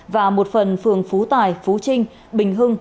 và một phần phường phú tài phú trinh bình hưng